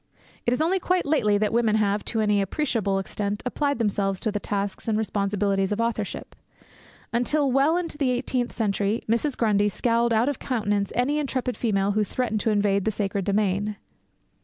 It is only quite lately that women have, to any appreciable extent, applied themselves to the tasks and responsibilities of authorship. Until well into the eighteenth century, Mrs. Grundy scowled out of countenance any intrepid female who threatened to invade the sacred domain.